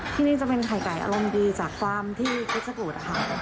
ที่นี่จะเป็นไข่ไก่อารมณ์ดีจากว่ามีคุณขุด